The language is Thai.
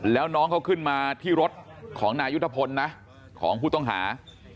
แล้วน้องเขาขึ้นมาที่รถของนายุทธพลนะของผู้ต้องหา